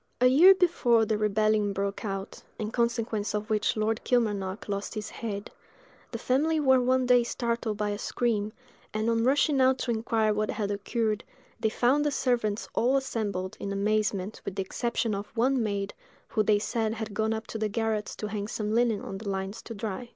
A year before the rebellion broke out, in consequence of which Lord Kilmarnock lost his head, the family were one day startled by a scream, and on rushing out to inquire what had occurred, they found the servants all assembled, in amazement, with the exception of one maid, who they said had gone up to the garrets to hang some linen on the lines to dry.